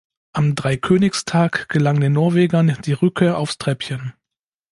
Am Dreikönigstag gelang den Norwegern die Rückkehr aufs Treppchen.